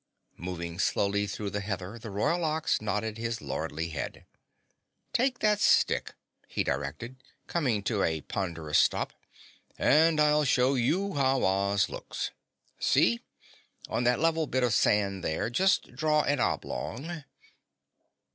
Moving slowly through the heather the Royal Ox nodded his lordly head. "Take that stick," he directed, coming to a ponderous stop, "and I'll show you how Oz looks. See, on that level bit of sand there, just draw an oblong."